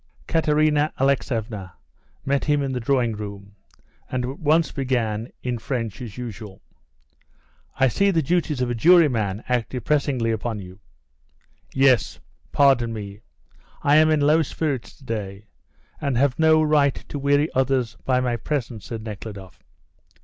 Katerina Alexeevna met him in the drawing room, and at once began, in French, as usual: "I see the duties of a juryman act depressingly upon you." "Yes; pardon me, I am in low spirits to day, and have no right to weary others by my presence," said Nekhludoff.